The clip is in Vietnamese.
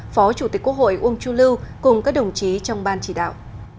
phó chủ tịch quốc hội uông chu lưu cùng các đồng chí trong ban chỉ đạo